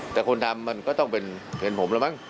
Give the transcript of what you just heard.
แต่คนทำมันก็ต้องเป็นเห็นผมแล้วมั้ง